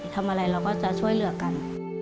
ทำอะไรเราก็จะช่วยเหลือกัน